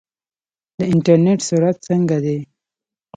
د انټرنیټ سرعت څنګه دی؟